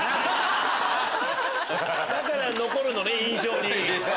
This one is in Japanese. だから残るのね印象に。